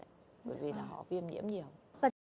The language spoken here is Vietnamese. bởi vì là họ viêm nhiễm nhiều